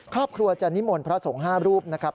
ครอบครัวจะนิมนต์พระสงฆ์๕รูปนะครับ